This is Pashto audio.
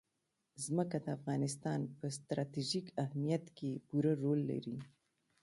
ځمکه د افغانستان په ستراتیژیک اهمیت کې پوره رول لري.